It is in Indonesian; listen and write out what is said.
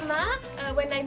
mama ketika saya bertemu dia